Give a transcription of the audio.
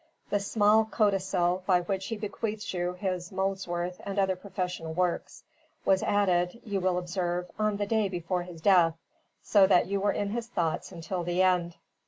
The small codicil, by which he bequeaths you his Molesworth and other professional works, was added (you will observe) on the day before his death; so that you were in his thoughts until the end.